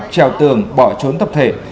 treo tường bỏ trốn tập thể